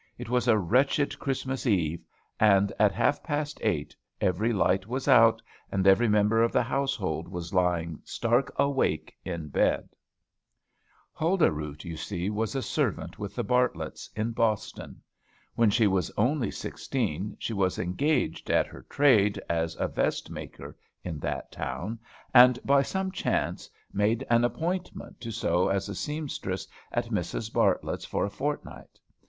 It was a wretched Christmas eve; and, at half past eight, every light was out, and every member of the household was lying stark awake, in bed. Huldah Root, you see, was a servant with the Bartletts, in Boston. When she was only sixteen, she was engaged at her "trade," as a vest maker, in that town; and, by some chance, made an appointment to sew as a seamstress at Mrs. Bartlett's for a fortnight.